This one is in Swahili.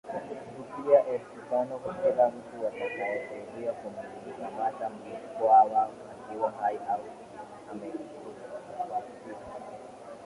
rupia elfu tano kwa kila mtu atakayewasaidia kumkamata Mkwawa akiwa hai au amekufasita